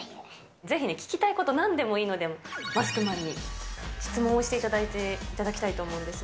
ぜひね、聞きたいこと、なんでもいいので、マスクマンに質問していただきたいと思うんですが。